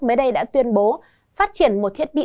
mới đây đã tuyên bố phát triển một thiết bị